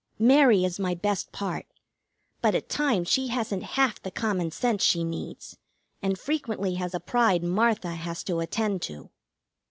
Mary is my best part, but at times she hasn't half the common sense she needs, and frequently has a pride Martha has to attend to.